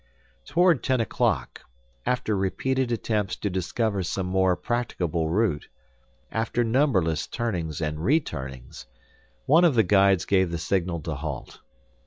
Toward ten o'clock, after repeated attempts to discover some more practicable route, after numberless turnings and returnings, one of the guides gave the signal to halt.